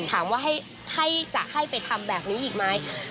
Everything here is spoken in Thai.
ถามว่าให้จะให้ไปทำแบบนี้อีกไหม